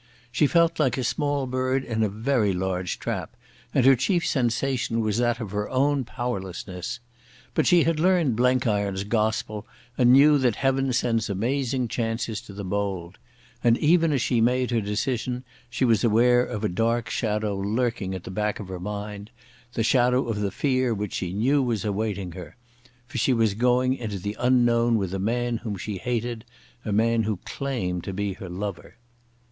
She felt like a small bird in a very large trap, and her chief sensation was that of her own powerlessness. But she had learned Blenkiron's gospel and knew that Heaven sends amazing chances to the bold. And, even as she made her decision, she was aware of a dark shadow lurking at the back of her mind, the shadow of the fear which she knew was awaiting her. For she was going into the unknown with a man whom she hated, a man who claimed to be her lover.